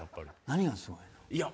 何がすごいか。